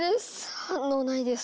反応ないです。